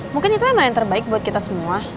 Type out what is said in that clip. mungkin itu memang yang terbaik buat kita semua